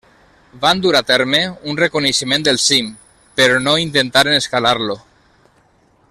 Van dur a terme un reconeixement del cim, però no intentaren escalar-lo.